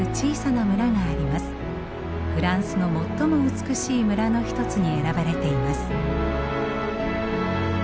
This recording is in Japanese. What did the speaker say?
フランスの最も美しい村の一つに選ばれています。